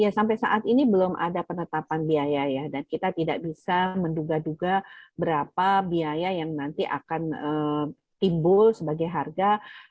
sampai saat ini belum ada penetapan biaya ya dan kita tidak bisa menduga duga berapa biaya yang nanti akan timbul sebagai harga